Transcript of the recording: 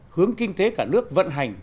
hướng kinh tế cả nước vận hành